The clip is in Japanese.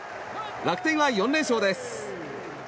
楽天は４連勝です。